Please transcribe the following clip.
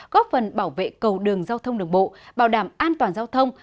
góp phần bảo vệ cầu đường giao thông đường bộ bảo đảm an toàn giao thông